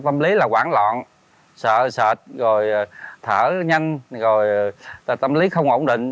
tâm lý là hoán loạn sợ sệt thở nhanh tâm lý không ổn định